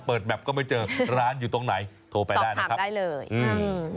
ถ้าเปิดแบบก็ไม่เจอร้านอยู่ตรงไหนโทรไปได้นะครับสอบถามได้เลยอืม